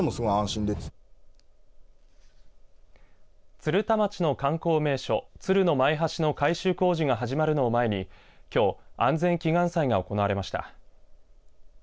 鶴田町の観光名所、鶴の舞橋の改修工事が始まるのを前にきょう安全祈願祭が行われました。